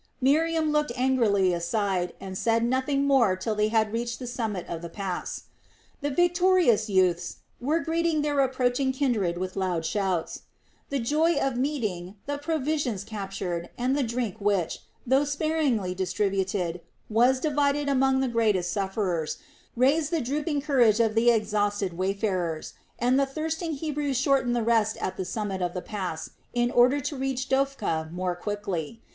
Miriam looked angrily aside, and said nothing more till they had reached the summit of the pass. The victorious youths were greeting their approaching kindred with loud shouts. The joy of meeting, the provisions captured, and the drink which, though sparingly distributed, was divided among the greatest sufferers, raised the drooping courage of the exhausted wayfarers; and the thirsting Hebrews shortened the rest at the summit of the pass in order to reach Dophkah more quickly.